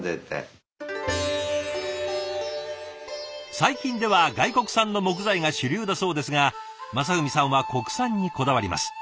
最近では外国産の木材が主流だそうですが正文さんは国産にこだわります。